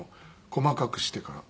細かくしてから。